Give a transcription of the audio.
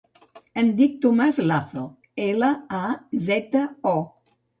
Em dic Tomàs Lazo: ela, a, zeta, o.